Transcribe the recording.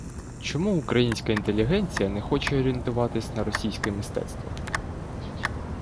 Чому українська інтелігенція не хоче орієнтуватись на російське мистецтво?